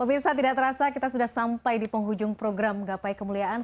pemirsa tidak terasa kita sudah sampai di penghujung program gapai kemuliaan